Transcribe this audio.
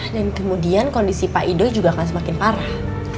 dan kemudian kondisi pak idoi juga akan semakin parah